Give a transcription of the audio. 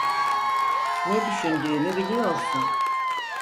Ne düşündüğümü biliyorsun.